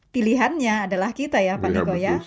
pilihannya adalah kita ya pak niko ya